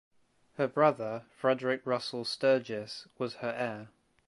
Her brother Frederick Russell Sturgis was her heir.